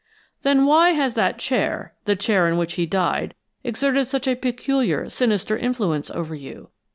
"Then why has that chair the chair in which he died exerted such a peculiar, sinister influence over you?